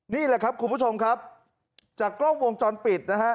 นี่แหละครับคุณผู้ชมครับจากกล้องวงจรปิดนะฮะ